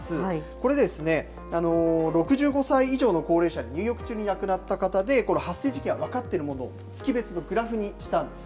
これですね、６５歳以上の高齢者の入浴中に亡くなった方の発生時期が分かっているものを、月別のグラフにしたんです。